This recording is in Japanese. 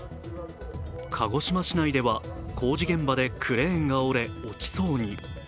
鹿児島市内では工事現場でクレーンが折れ、落ちそうに。